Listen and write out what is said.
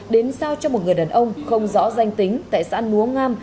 đến giao cho một người đàn ông không rõ danh tính tại xã núa ngam